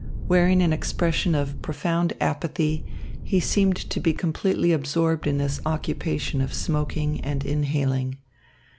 Wearing an expression of profound apathy, he seemed to be completely absorbed in this occupation of smoking and inhaling.